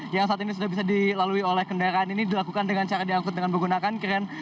yang saat ini sudah bisa dilalui oleh kendaraan ini dilakukan dengan cara diangkut dengan menggunakan kren